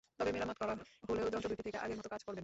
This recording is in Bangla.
তবে মেরামত করা হলেও যন্ত্র দুটি থেকে আগের মতো কাজ করবে না।